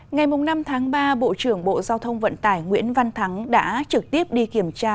ngày năm tháng ba bộ trưởng bộ giao thông vận tải nguyễn văn thắng đã trực tiếp đi kiểm tra